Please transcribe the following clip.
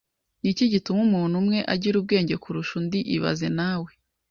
Ni iki gituma umuntu umwe agira ubwenge kurusha undi ibaze nawe